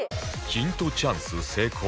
ヒントチャンス成功